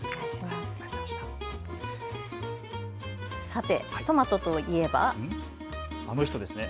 さて、トマトといえばあの人ですね。